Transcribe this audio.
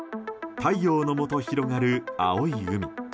太陽のもと広がる青い海。